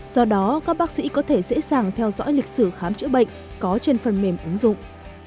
do đó các bác sĩ có thể dễ dàng theo dõi lịch sử khám chữa bệnh có trên phần mềm ứng dụng